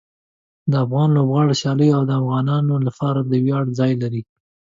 د افغان لوبغاړو سیالۍ د افغانانو لپاره د ویاړ ځای لري.